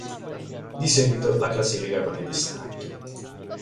Di seguito la classifica con i distacchi.